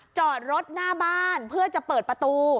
จอดรถหน้าบ้านเพื่อจะเปิดประตู